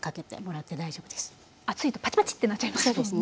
熱いとパチパチってなっちゃいますもんね。